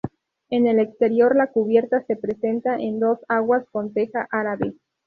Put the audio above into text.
En el exterior la cubierta se presenta a dos aguas con teja árabe.